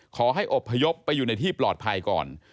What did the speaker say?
ขอให้อบพยพไปอยู่ในที่ปลอดภัยก่อน